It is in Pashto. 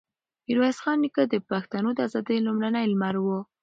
ميرويس خان نیکه د پښتنو د ازادۍ لومړنی لمر و.